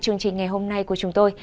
chương trình ngày hôm nay của chúng tôi